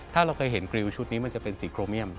ถ้าเราเคยเห็นกริวชุดนี้มันจะเป็นสีโครเมียม